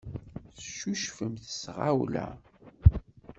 Teccucfemt s tɣawla.